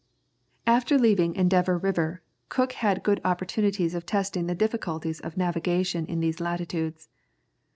] After leaving Endeavour River, Cook had good opportunities of testing the difficulties of navigation in these latitudes.